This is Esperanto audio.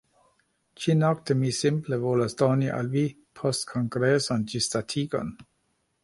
Ĉi-nokte mi simple volas doni al vi postkongresan ĝisdatigon